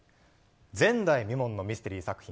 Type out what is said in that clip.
前代未聞のミステリー作品